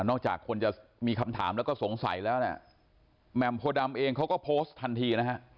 จากคนจะมีคำถามแล้วก็สงสัยแล้วเนี่ยแหม่มโพดำเองเขาก็โพสต์ทันทีนะฮะ